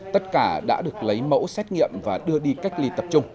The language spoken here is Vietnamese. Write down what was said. tất cả đã được lấy mẫu xét nghiệm và đưa đi cách ly tập trung